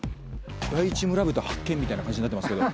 第一村人発見みたいな感じになってますけど。